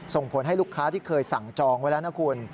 ส่งผลให้ลูกค้าที่เคยสั่งจองไว้แล้วนะคุณ